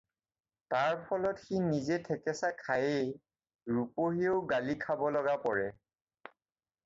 তাৰ ফলত সি নিজে ঠেকেচা খায়েই, ৰূপাহীয়েও গালি খাব লগা পৰে।